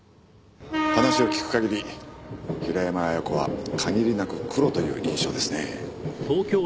話を聞く限り平山亜矢子は限りなくクロという印象ですね。